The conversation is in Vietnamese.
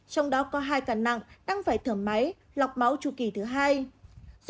trong đó có hai ca nặng đang phải thở máy lọc máu chu kỳ thứ hai